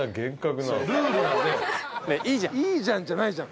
「いいじゃん」じゃないじゃん。